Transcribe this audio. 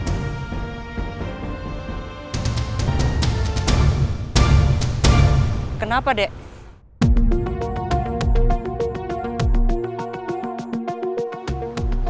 maaf dek gak ada uang kecil